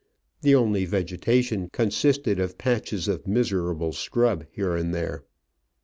The only vegetation consisted of patches of miserable scrub here and there.